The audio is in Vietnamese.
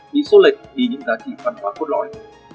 đi số lệch đi những giá trị văn hóa cốt lõi